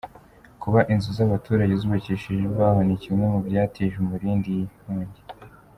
Kuba inzu z’abaturage zubakishije imbaho ni kimwe mu byatije umurindi iyi nkongi.